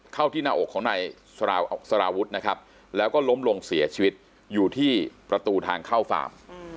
เข้าที่หน้าอกของนายสารวุฒินะครับแล้วก็ล้มลงเสียชีวิตอยู่ที่ประตูทางเข้าฟาร์ม